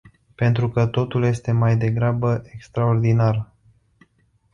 Pentru că totul este mai degrabă extraordinar.